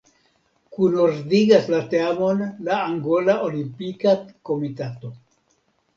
Kunordigas la teamon la Angola Olimpika Komitato.